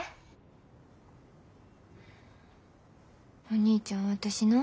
お兄ちゃん私な。